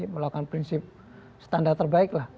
melakukan prinsip standar terbaik lah